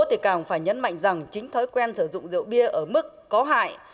thì càng phải nhấn mạnh rằng chính thói quen sử dụng rượu bia ở mức có hại